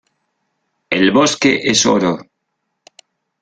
El bosque es oro.